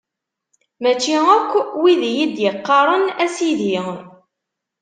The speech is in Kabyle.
Mačči akk wid i yi-d-iqqaren: A Sidi!